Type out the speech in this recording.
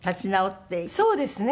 そうですね。